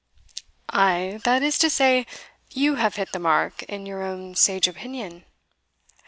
"Ay that is to say, you have hit the mark in your own sage opinion?